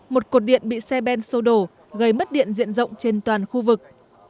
một cột điện bị xe ben sô đổ gây mất điện diện rộng trên toàn khu vực